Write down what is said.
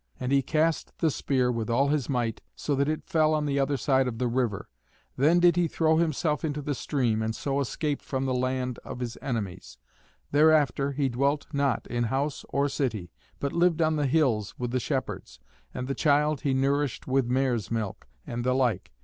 And he cast the spear with all his might, so that it fell on the other side of the river. Then did he throw himself into the stream, and so escaped from the land of his enemies. Thereafter he dwelt not in house or city, but lived on the hills with the shepherds. And the child he nourished with mare's milk, and the like.